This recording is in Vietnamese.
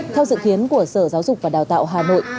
theo dự kiến của sở giáo dục và đào tạo hà nội